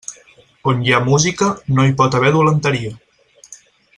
On hi ha música, no hi pot haver dolenteria.